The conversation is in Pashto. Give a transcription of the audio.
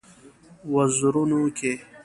وزرونو کې